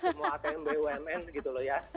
semua atm bumn gitu loh ya